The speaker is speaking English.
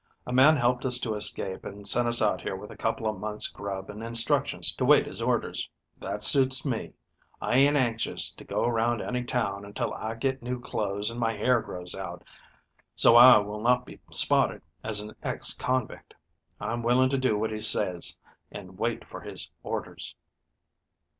A man helped us to escape, and sent us out here with a couple of months' grub and instructions to wait his orders. That suits me. I ain't anxious to go around any town until I get new clothes and my hair grows out, so I will not be spotted as an ex convict. I'm willing to do what he says and wait for his orders."